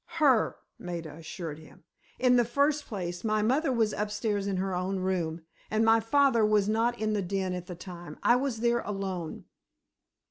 "Her," Maida assured him. "In the first place, my mother was upstairs in her own room, and my father was not in the den at the time. I was there alone."